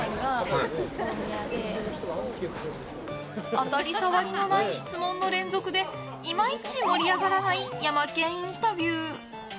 当たり障りのない質問の連続でいまいち盛り上がらないヤマケンインタビュー。